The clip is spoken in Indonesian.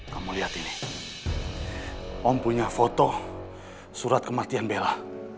kamu lihat ini om punya foto surat kematian bella